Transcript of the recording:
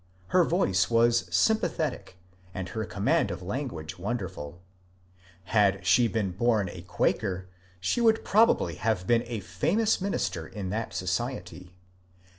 Her voice was sympathetic and her command of language wonderful. Had she been bom a Quaker she 22 MONCURE DANIEL CONWAY would probably have been a famous minister in that society.